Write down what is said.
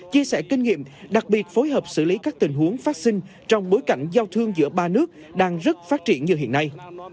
chia sẻ kinh nghiệm đặc biệt phối hợp xử lý các tình huống phát sinh trong bối cảnh giao thương giữa ba nước đang rất phát triển như hiện nay